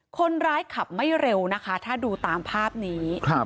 คนร้ายขับไม่เร็วนะคะถ้าดูตามภาพนี้